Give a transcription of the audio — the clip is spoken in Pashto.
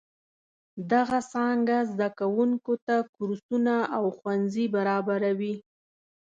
دغه څانګه زده کوونکو ته کورسونه او ښوونځي برابروي.